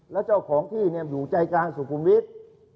แล้วเจ้าของที่อยู่ใจกลางสุขุมวิทย์